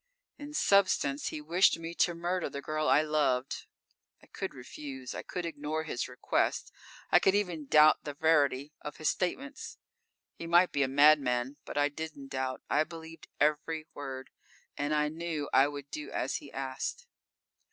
In substance, he wished me to murder the girl I loved. I could refuse; I could ignore his request. I could even doubt the verity of his statements. He might be a madman. But I didn't doubt. I believed every word, and I knew I would do as he asked.